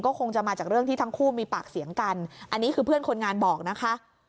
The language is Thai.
คงจะมาจากเรื่องที่ทั้งคู่มีปากเสียงกันอันนี้คือเพื่อนคนงานบอกนะคะ